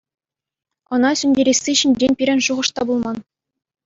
Ӑна сӳнтересси ҫинчен пирӗн шухӑш та пулман.